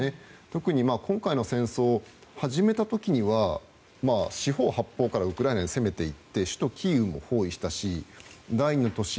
特に今回の戦争、始めた時には四方八方からウクライナに攻めていって首都キーウも包囲したし第２の都市